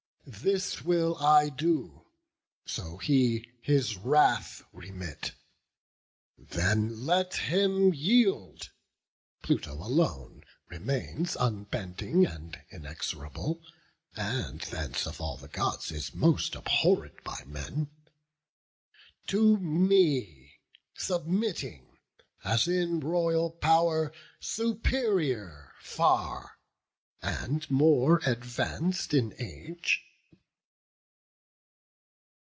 This will I do, so he his wrath remit: Then let him yield (Pluto alone remains Unbending and inexorable; and thence Of all the Gods is most abhorr'd of men), To me submitting, as in royal pow'r Superior far, and more advanc'd in age."